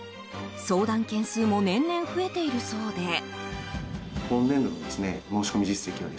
相談件数も年々増えているそうで。